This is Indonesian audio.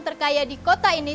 terkaya di kota ini